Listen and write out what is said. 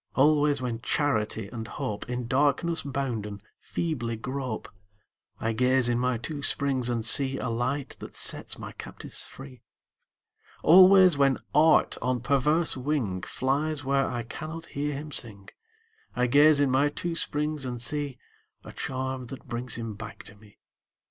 Always when Charity and Hope, In darkness bounden, feebly grope, I gaze in my two springs and see A Light that sets my captives free. Always, when Art on perverse wing Flies where I cannot hear him sing, I gaze in my two springs and see A charm that brings him back to me.